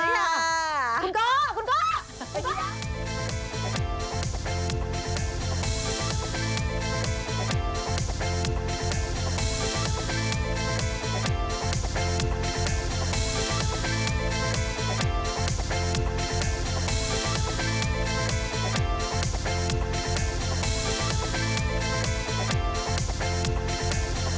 สวัสดีค่ะ